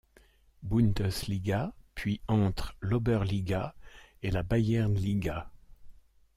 Bundesliga puis entre l'Oberliga et la Bayernliga.